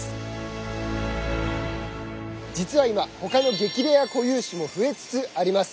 実は今他の激レア固有種も増えつつあります。